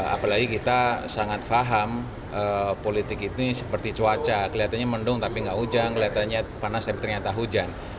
apalagi kita sangat faham politik ini seperti cuaca kelihatannya mendung tapi nggak hujan kelihatannya panas tapi ternyata hujan